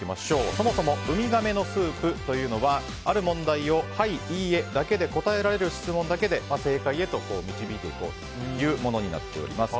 そもそもウミガメのスープというのはある問題を、はい、いいえだけで答えられる質問だけで正解へと導いていくものになります。